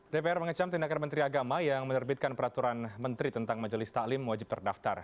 dpr mengecam tindakan menteri agama yang menerbitkan peraturan menteri tentang majelis taklim wajib terdaftar